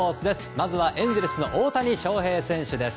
まずはエンゼルスの大谷翔平選手です。